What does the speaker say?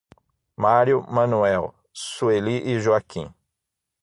Mário, Manuel. Sueli e Joaquim